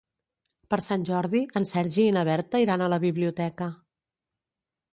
Per Sant Jordi en Sergi i na Berta iran a la biblioteca.